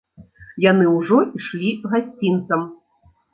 Яны ўжо ішлі гасцінцам.